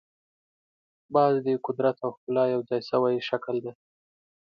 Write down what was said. باز د قدرت او ښکلا یو ځای شوی شکل دی